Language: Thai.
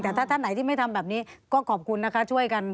แต่ถ้าไหนที่ไม่ทำแบบนี้ก็ขอบคุณนะคะ